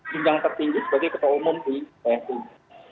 pinjang tertinggi sebagai ketua umum di ks ini